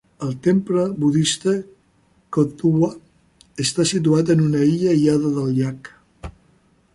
El temple budista Kothduwa està situat en una illa aïllada del llac.